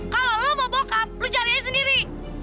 kalau lo mau bokap lo carinya sendiri